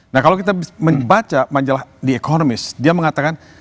nah kalau kita membaca majalah the economist dia mengatakan